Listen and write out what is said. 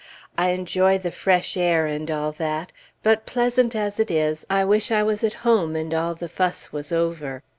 I enjoy the fresh air, and all that, but pleasant as it is, I wish I was at home and all the fuss was over.